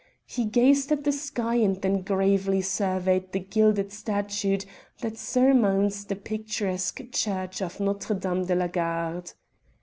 He gazed at the sky and then gravely surveyed the gilded statue that surmounts the picturesque church of Notre Dame de la Garde.